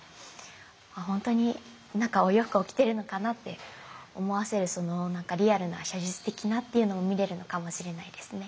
本当に何かお洋服を着てるのかなって思わせるそのリアルな写実的なっていうのが見れるのかもしれないですね。